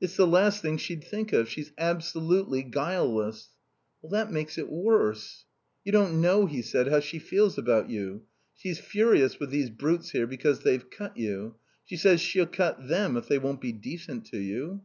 It's the last thing she'd think of. She's absolutely guileless." "That makes it worse." "You don't know," he said, "how she feels about you. She's furious with these brutes here because they've cut you. She says she'll cut them if they won't be decent to you."